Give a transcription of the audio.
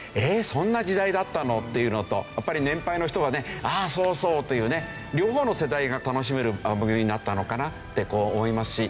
そんな時代だったのっていうのとやっぱり年輩の人はねああそうそう！というね両方の世代が楽しめる番組になったのかなって思いますし。